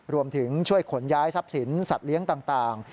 รวมถึงช่วยขนย้ายทรัพย์สินสัตว์เลี้ยงต่าง